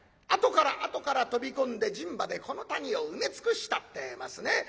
あとからあとから飛び込んで人馬でこの谷を埋め尽くしたってえますね。